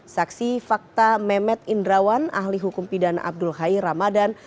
saksi fakta memet indrawan ahli hukum pidana abdul hai ramadan